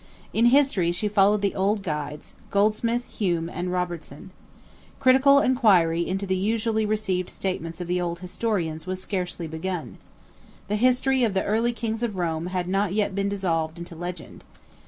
In history she followed the old guides Goldsmith, Hume, and Robertson. Critical enquiry into the usually received statements of the old historians was scarcely begun. The history of the early kings of Rome had not yet been dissolved into legend.